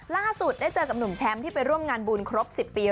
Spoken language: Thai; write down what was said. ล่าสุดได้เจอกับหนุ่มแชมป์ที่ไปร่วมงานบุญครบ๑๐ปี